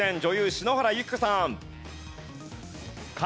篠原ゆき子さん。